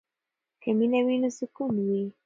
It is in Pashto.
که مینه وي نو سکون وي.